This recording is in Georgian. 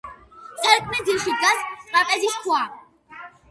სარკმლის ძირში დგას ტრაპეზის ქვა.